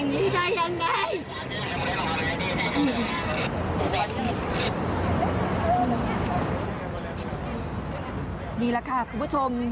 นี่แหละค่ะคุณผู้ชม